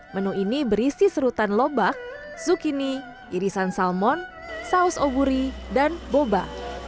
menu ini berisi serutan lobak sukini irisan salmon saus oburi dan boba